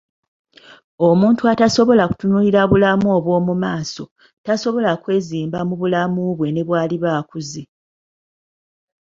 Omuntu atasobola kutunuulira bulamu obwo mu maaso tasobola kwezimba mu bulamu bwe ne bw'aliba ng'akuze.